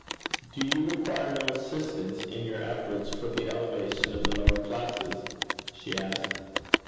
'Do you require no assistance in your efforts for the elevation of the lower classes?' she asked.